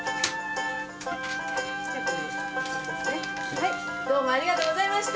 はいどうもありがとうございました！